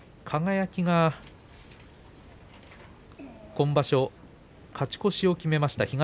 輝は今場所勝ち越しを決めました。